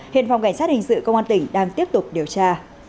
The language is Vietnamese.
hiện phòng cảnh sát hình sự công an tỉnh đang tiếp tục điều tra